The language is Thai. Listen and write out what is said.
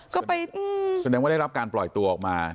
ก็ไปอื้มใช่จนดังว่าได้รับการปล่อยตัวออกมา